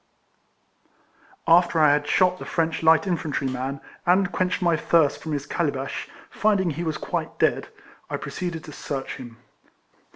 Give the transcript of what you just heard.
After I had shot the French light infantry man, and quenched my thirst from his cali bash, finding he was quite dead, I proceeded to search him.